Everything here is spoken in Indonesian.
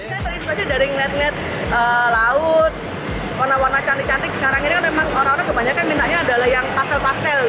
saya terinspirasi dari ngeliat ngeliat laut warna warna cantik cantik sekarang ini kan memang orang orang kebanyakan mintanya adalah yang pastel pastel